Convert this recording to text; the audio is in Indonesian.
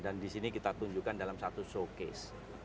dan di sini kita tunjukkan dalam satu showcase